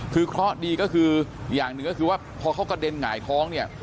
คือเคราะห์ดีก็คืออย่างหนึ่งก็คือว่าพอเขากระเด็นหงายท้องเนี่ย